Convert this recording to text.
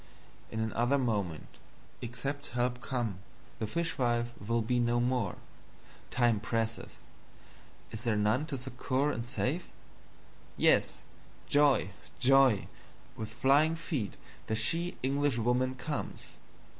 In another Moment, except Help come, the Fishwife will be no more. Time presses is there none to succor and save? Yes! Joy, joy, with flying Feet the she Englishwoman comes!